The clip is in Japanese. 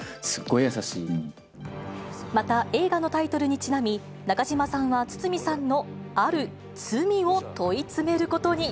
また、映画のタイトルにちなみ、中島さんは堤さんのある罪を問い詰めることに。